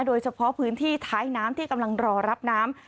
โดยเฉพาะพื้นที่ท้ายน้ำที่กำลังรอรับน้ำ